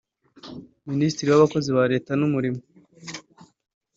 Minisitiri w’Abakozi ba Leta n’umurimo